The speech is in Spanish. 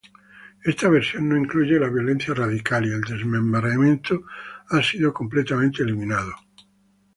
Esta versión no incluye la violencia radical; y el desmembramiento ha sido completamente eliminado.